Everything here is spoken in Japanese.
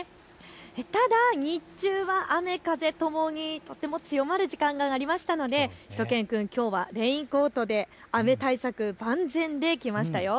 ただ日中は雨、風ともにとても強まる時間がありましたのでしゅと犬くん、きょうはレインコートで雨対策万全で来ましたよ。